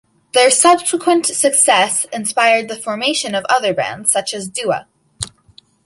Their subsequent success inspired the formation of other bands, such as Dewa.